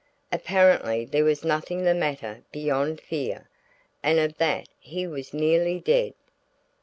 Apparently there was nothing the matter beyond fear, and of that he was nearly dead.